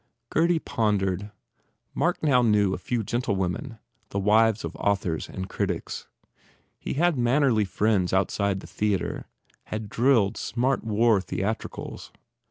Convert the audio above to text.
Gurdy pondered. Mark now knew a few gentlewomen, the wives of authors and critics. He had mannerly friends outside the theatre, had drilled smart war theatricals.